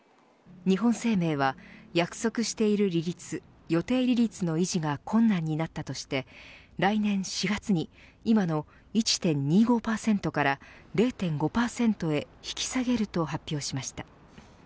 日本生命は約束している利率予定利率の維持が困難となったとして来年４月に今の１．２５％から０．５％へ引き下げると発表しました。